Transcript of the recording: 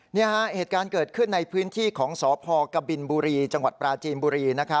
เหตุการณ์เกิดขึ้นในพื้นที่ของสพกบินบุรีจังหวัดปราจีนบุรี